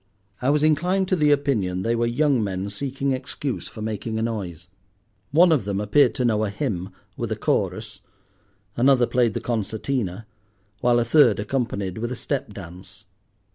I was inclined to the opinion they were young men seeking excuse for making a noise. One of them appeared to know a hymn with a chorus, another played the concertina, while a third accompanied with a step dance.